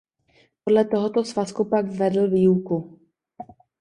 Podle tohoto svazku pak vedl výuku.